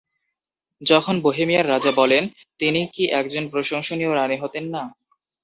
যখন বহেমিয়ার রাজা বলেন, তিনি কি একজন প্রশংসনীয় রানী হতেন না?